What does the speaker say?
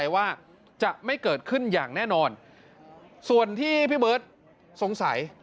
ว่าจะไม่เกิดขึ้นอย่างแน่นอนส่วนที่พี่เบิร์ตสงสัย